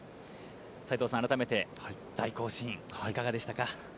斎藤さん、改めて大行進、いかがでしたか。